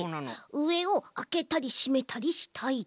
うえをあけたりしめたりしたいと。